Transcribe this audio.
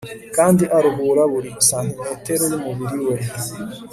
kandi aruhura buri santimetero yumubiri we